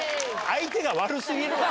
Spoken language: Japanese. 相手が悪すぎるわ。